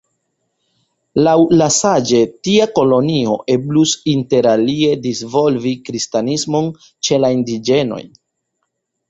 Laŭ La Salle, tia kolonio eblus interalie disvolvi kristanismon ĉe la indiĝenoj.